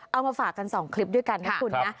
เอามาฝากกัน๒คลิปด้วยกันนะคุณนะ